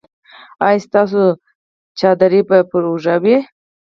ایا ستاسو څادر به پر اوږه وي؟